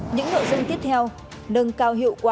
những nội dân tiếp theo nâng cao hiệu quả